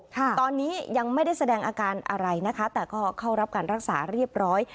ตอนนี้ยังไม่ได้แสดงอาการอะไรนะคะแต่ก็เข้ารับการรักษาเรียบร้อย